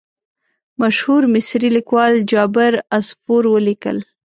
مشهور مصري لیکوال جابر عصفور ولیکل.